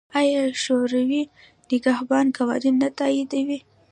آیا شورای نګهبان قوانین نه تاییدوي؟